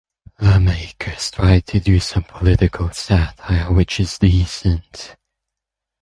The makers tried to do some political satire which is decent.